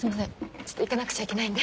ちょっと行かなくちゃいけないんで。